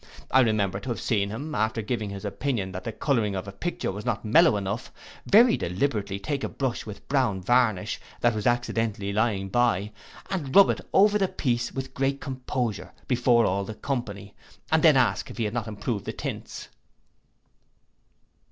I remember to have seen him, after giving his opinion that the colouring of a picture was not mellow enough, very deliberately take a brush with brown varnish, that was accidentally lying by, and rub it over the piece with great composure before all the company, and then ask if he had not improved the tints.